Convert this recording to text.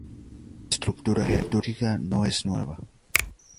La estructura jerárquica no es nueva.